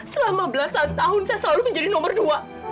selama belasan tahun saya selalu menjadi nomor dua